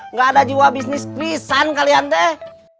nggak ada jiwa bisnis krisan kalian teh